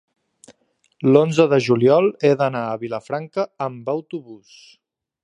L'onze de juliol he d'anar a Vilafranca amb autobús.